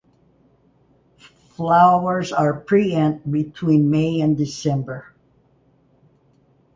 Flowers are preent between May and December.